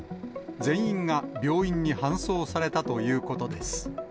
全員が病院に搬送されたということです。